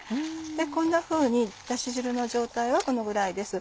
でこんなふうにだし汁の状態はこのぐらいです。